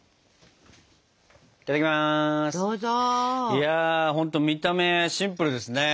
いやほんと見た目シンプルですね。